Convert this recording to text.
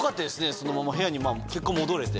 そのまま部屋に結果戻れて。